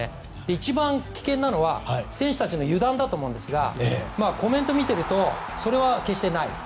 一番危険なのは選手たちの油断だと思うんですがコメントを見ているとそれは決してない。